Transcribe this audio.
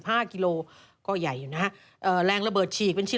ซึ่งตอน๕โมง๔๕นะฮะทางหน่วยซิวได้มีการยุติการค้นหาที่